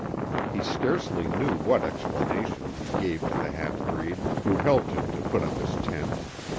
He scarcely knew what explanation he gave to the half breed, who helped him to put up his tent.